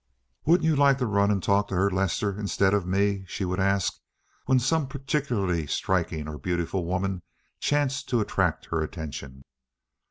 "Wouldn't you like to run and talk to her, Lester, instead of to me?" she would ask when some particularly striking or beautiful woman chanced to attract her attention.